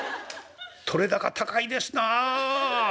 撮れ高高いですなあ。